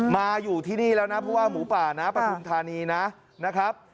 มาอยู่ที่นี่แล้วนะผู้ว่าหมูป่าน้ำประทุมธานีนะ